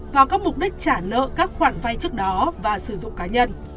vào các mục đích trả nợ các khoản vay trước đó và sử dụng cá nhân